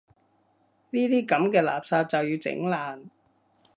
呢啲噉嘅垃圾就要整爛